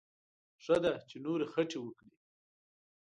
ښه ده چې نورې خټې وکړي.